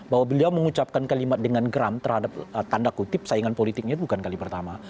bahwa beliau mengucapkan kalimat dengan geram terhadap tanda kutip saingan politiknya bukan kali pertama